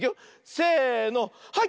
せのはい！